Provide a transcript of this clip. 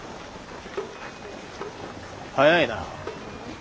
早いな。